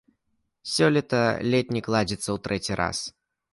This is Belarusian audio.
Сёлета летнік ладзіцца ў трэці раз.